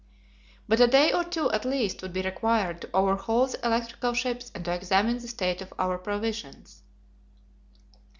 But a day or two at least would be required to overhaul the electrical ships and to examine the state of our provisions.